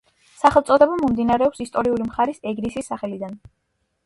სახელწოდება მომდინარეობს ისტორიული მხარის ეგრისის სახელიდან.